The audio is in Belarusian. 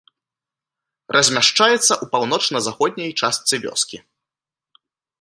Размяшчаецца ў паўночна-заходняй частцы вёскі.